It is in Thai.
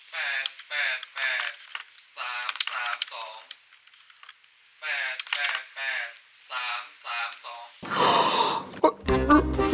หน่วยเอาไป